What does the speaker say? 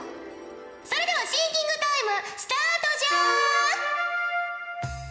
それではシンキングタイムスタートじゃ！